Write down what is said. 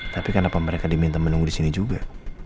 tapi kenapa mereka diminta menunggu disini juga